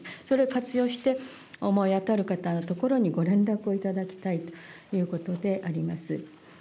それを活用して、思い当たる方の所にご連絡をいただきたいということであります。